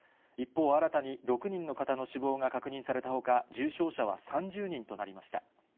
一方、新たに６人の方の死亡が確認されたほか、重症者は３０人となりました。